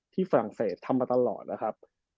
ฝรั่งเศสทำมาตลอดนะครับ